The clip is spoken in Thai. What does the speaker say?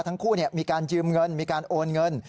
ทั้งคู่มีการยืมเงินมีการโอนเงิน